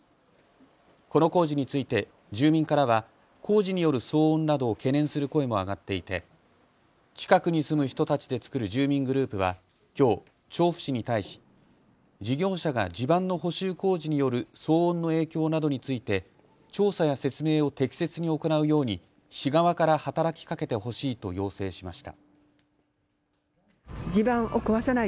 この工事について住民からは工事による騒音などを懸念する声も上がっていて近くに住む人たちで作る住民グループはきょう調布市に対し事業者が地盤の補修工事による騒音の影響などについて調査や説明を適切に行うように市側から働きかけてほしいと要請しました。